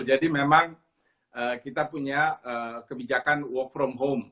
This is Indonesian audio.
jadi memang kita punya kebijakan work from home